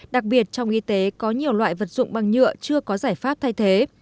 đặc biệt trong y tế có nhiều loại vật dụng bằng nhựa chưa có giải pháp thay thế